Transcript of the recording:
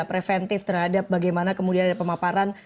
preventif terhadap bagaimana kemudian ada pemaparan